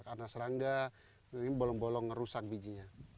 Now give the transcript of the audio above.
karena serangga ini bolong bolong rusak bijinya